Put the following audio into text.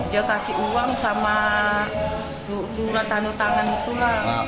dia kasih uang sama surat tanda tangan itulah